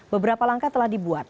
beberapa langkah telah dibuat